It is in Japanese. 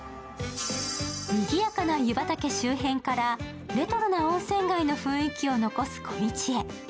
にぎやかな湯畑周辺からレトロな温泉街の雰囲気を残す小道へ。